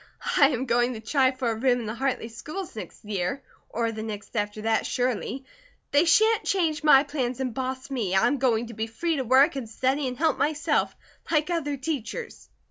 I am going to try for a room in the Hartley schools next year, or the next after that, surely. They sha'n't change my plans and boss me, I am going to be free to work, and study, and help myself, like other teachers."